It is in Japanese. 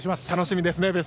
楽しみですね